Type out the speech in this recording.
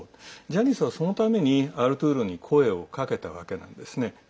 ジャニスは、そのためにアルトゥロに声をかけたわけなんですね。